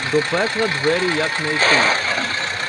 До пекла двері як найти.